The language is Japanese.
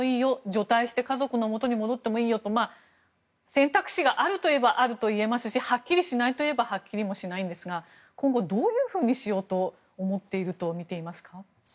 除隊して家族のもとに戻ってもいいよと選択肢があるといえばあるといえますしはっきりしないといえばはっきりもしないんですが今後どういうふうにしようと思っているとみていますか。